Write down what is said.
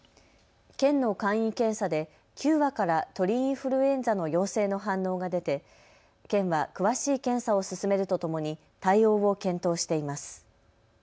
県の簡易検査で９羽から鳥インフルエンザの陽性の反応が出て、県は詳しい検査を進めるとともに対応を検討しています。